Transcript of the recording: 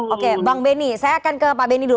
oke bang benny saya akan ke pak benny dulu